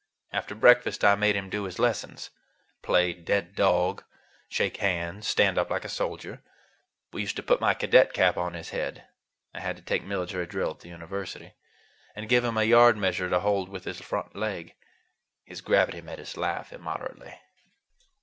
After breakfast I made him do his lessons; play dead dog, shake hands, stand up like a soldier. We used to put my cadet cap on his head—I had to take military drill at the University—and give him a yard measure to hold with his front leg. His gravity made us laugh immoderately.